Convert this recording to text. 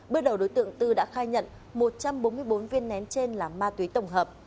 bước đầu đối tượng tư đã khai nhận một trăm bốn mươi bốn viên nén trên là ma túy tổng hợp